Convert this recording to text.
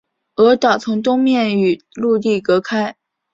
鹅岛从东面与陆地隔开。